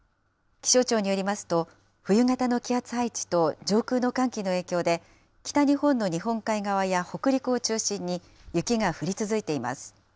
気象庁によりますと、冬型の気圧配置と上空の寒気の影響で、北日本の日本海側や北陸を中心に雪が降り続いています。